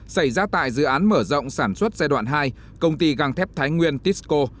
xảy ra tại dự án mở rộng sản xuất gia đoạn hai công ty gang thép thái nguyên tisco